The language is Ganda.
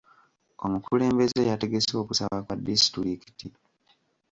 Omukulembeze yategese okusaba kwa disitulikiti.